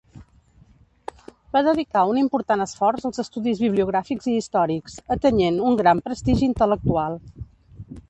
Va dedicar un important esforç als estudis bibliogràfics i històrics, atenyent un gran prestigi intel·lectual.